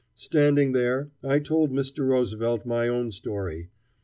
Standing there, I told Mr. Roosevelt my own story.